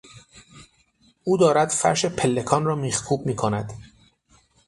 او دارد فرش پلکان را میخکوب میکند.